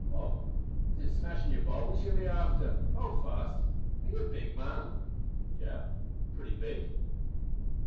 "Och! is it smashin' yer bones you'll be after! Howld fast. Are ye a big man?" "Yes, pretty big."